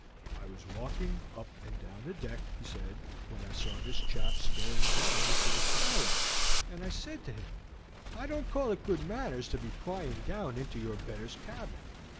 "I was walking up and down the deck," he said, "when I saw this chap staring down through the skylight, and I said to him, 'I don't call it good manners to be prying down into your betters' cabin.'